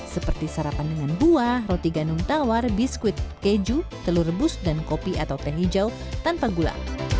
seperti sarapan dengan buah roti gandum tawar biskuit keju telur rebus dan kopi atau teh hijau tanpa gula